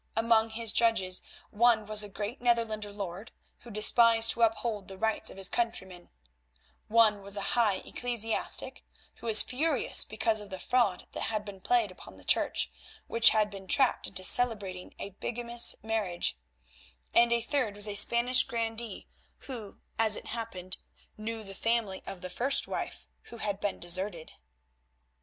Among his judges one was a great Netherlander lord, who desired to uphold the rights of his countrymen; one was a high ecclesiastic, who was furious because of the fraud that had been played upon the Church, which had been trapped into celebrating a bigamous marriage; and a third was a Spanish grandee, who, as it happened, knew the family of the first wife who had been deserted.